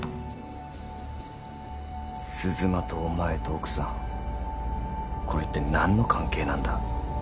鈴間とお前と奥さんこれ一体何の関係なんだ？